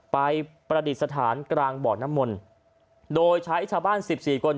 ไปประดิษฐานกลางบ่อนมนตร์โดยใช้ชาวบ้าน๑๔คน